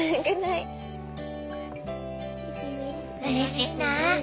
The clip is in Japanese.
うれしいな。